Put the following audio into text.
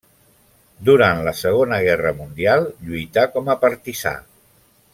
Durant la Segona Guerra Mundial lluità com a partisà.